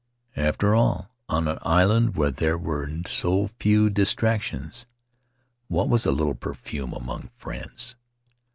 After all, on an island where there were so few dis tractions, what was a little perfume among friends?